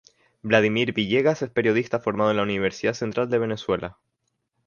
Vladimir Villegas es periodista formado en la Universidad Central de Venezuela.